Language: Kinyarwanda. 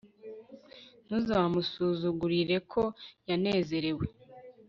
ntuzamusuzugurire ko yanezerewe